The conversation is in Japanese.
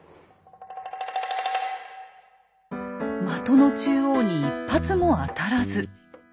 的の中央に一発も当たらず。